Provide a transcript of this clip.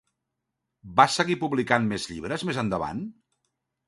Va seguir publicant més llibres més endavant?